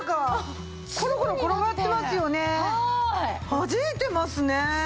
はじいてますね。